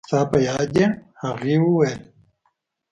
ستا په یاد دي؟ هغې وویل.